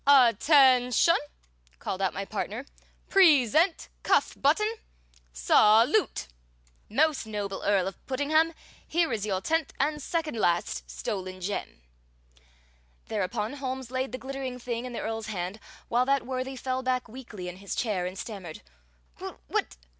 "At ten shun!" called out my partner. "Present cuff button! Salute! Most noble Earl of Puddingham, here is your tenth and second last stolen gem!" Thereupon Holmes laid the glittering thing in the Earl's hand, while that worthy fell back weakly in his chair and stammered: "What?